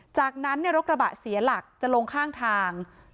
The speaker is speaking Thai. จากนั้นรถกระบะเสียหลักจะลงข้างทาง